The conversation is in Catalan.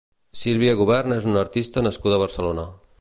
Silvia Gubern és una artista nascuda a Barcelona.